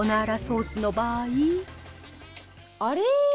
あれ？